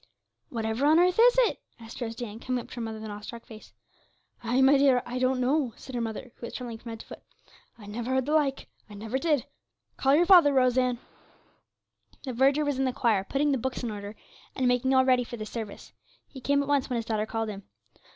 'Whatever on earth is it?' said Rose Ann, coming up to her mother with an awestruck face. 'Ay, my dear, I don't know,' said her mother, who was trembling from head to foot. 'I never heard the like; I never did. Call your father, Rose Ann.' The verger was in the choir, putting the books in order, and making all ready for the service. He came at once when his daughter called him.